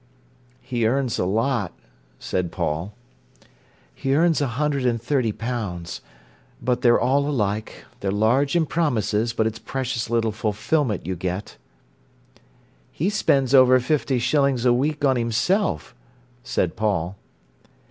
"He earns a lot," said Paul. "He earns a hundred and thirty pounds. But they're all alike. They're large in promises, but it's precious little fulfilment you get." "He spends over fifty shillings a week on himself," said Paul.